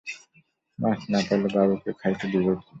মাছ না পাইলে বাবুকে খাইতে দিব কী?